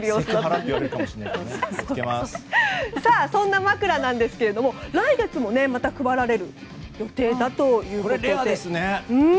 そんな枕なんですが来月もまた配られる予定ということで。